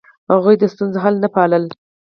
هغوی د ستونزې حل نه پاله.